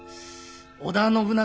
織田信長